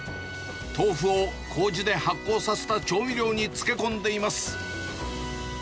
豆腐をこうじで発酵させた調味料に漬け込んでいます。